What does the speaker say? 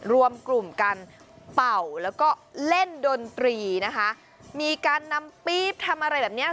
รวมกลุ่มกันเป่าแล้วก็เล่นดนตรีนะคะมีการนำปี๊บทำอะไรแบบเนี้ย